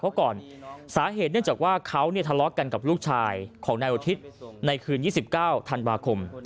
เพราะก่อนสาเหตุเนื่องจากว่าเขาทะเลาะกันกับลูกชายของนายอุทิศในคืน๒๙ธันวาคม